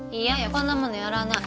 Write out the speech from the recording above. こんなものやらない。